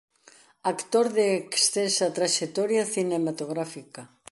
Actor de extensa traxectoria cinematográfica.